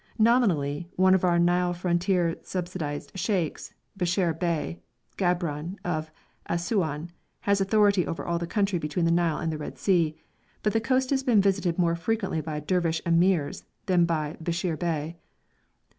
Nominally, one of our Nile frontier subsidised sheikhs, Beshir Bey Gabran, of Assouan, has authority over all the country between the Nile and the Red Sea, but the coast has been visited more frequently by Dervish emirs than by Beshir Bey.